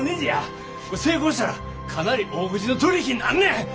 成功したらかなり大口の取り引きになんねん。